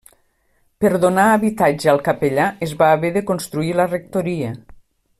Per donar habitatge al capellà es va haver de construir la rectoria.